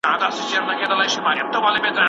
چېرته پټ نری نری د سېتار ترنګ شو